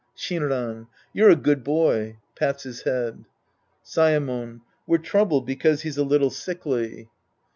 Shinran. You're a good boy. {Pats his head.) Saemon. We're troubled because he's a little sickly.